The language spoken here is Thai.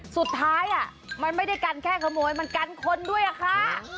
สุดท้ายมันไม่ได้กันแค่ขโมยมันกันคนด้วยอะค่ะ